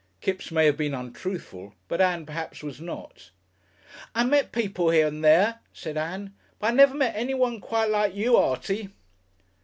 Kipps may have been untruthful, but Ann perhaps was not. "I met people here and there," said Ann; "but I never met anyone quite like you, Artie."